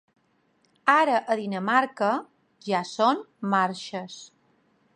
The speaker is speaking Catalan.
Ara a Dinamarca, ja són marxes.